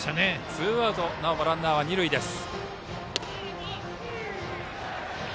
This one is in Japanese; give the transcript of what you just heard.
ツーアウトでなおもランナーは二塁です。